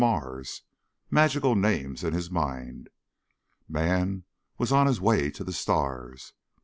Mars ... magical names in his mind. Man was on his way to the stars.